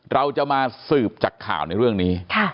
เราจะมาสืบจากข่าวในเรื่องนี้